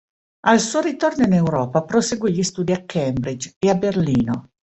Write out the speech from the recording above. Al suo ritorno in Europa proseguì gli studi a Cambridge e a Berlino.